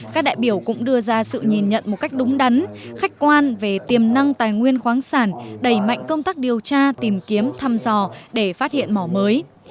các đại biểu cũng đưa ra sự nhìn nhận một cách đúng đắn khách quan về tiềm năng tài nguyên khoáng sản đẩy mạnh công tác điều tra tìm kiếm thăm dò để phát hiện mỏ mới